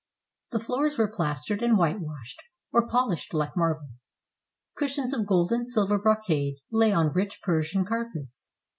The floors were plastered and whitewashed, or polished like marble. Cushions of gold and silver brocade lay on rich Persian carpets.